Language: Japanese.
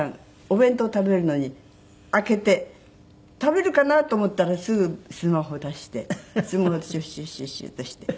お弁当食べるのに開けて食べるかなと思ったらすぐスマホ出してスマホシュッシュッシュッシュッとして。